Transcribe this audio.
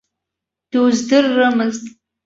Дуздыррымызт!